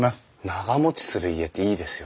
長もちする家っていいですよね。